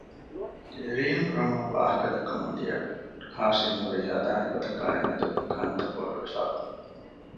ރީމް ރޮމުން ވާހަކަ ދައްކަމުން ދިޔަ ހާޝިމް ހުރީ ހަދާނެ ގޮތަކާއި މެދު ކަންތައް ބޮޑުވެފަ